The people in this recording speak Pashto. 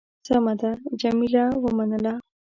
سمه ده. جميله ومنله.